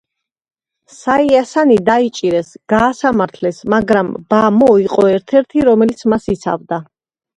საია სანი დაიჭირეს, გაასამართლეს, მაგრამ ბა მო იყო ერთ-ერთი, რომელიც მას იცავდა.